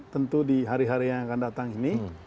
tentu di hari hari yang akan datang ini